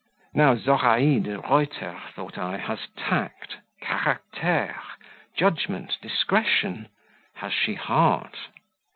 "Now, Zoraide Reuter," thought I, "has tact, CARACTERE, judgment, discretion; has she heart?